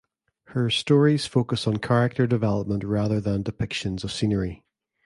Her stories focus on character development rather than depictions of scenery.